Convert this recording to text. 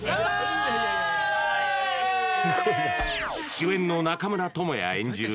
主演の中村倫也演じる